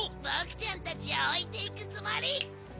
ボクちゃんたちを置いていくつもり？